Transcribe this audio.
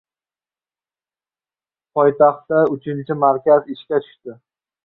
Poytaxtda uchinchi markaz ishga tushdi